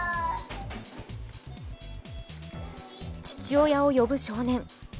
父親を呼ぶ少年。